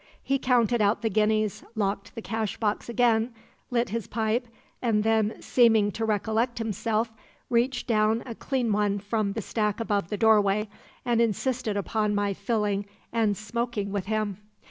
He counted out the guineas, locked the cashbox again, lit his pipe, and then, seeming to recollect himself, reached down a clean one from a stack above the doorway, and insisted upon my filling and smoking with him.